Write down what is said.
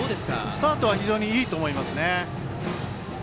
スタートは非常にいいと思います。